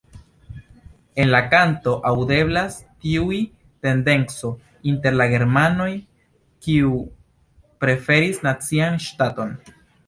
En la kanto aŭdeblas tiu tendenco inter la germanoj kiu preferis nacian ŝtaton.